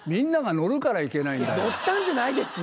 乗ったんじゃないですよ。